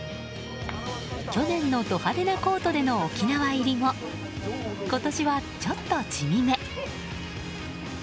去年のド派手なコートでの沖縄入りも今年はちょっと地味め。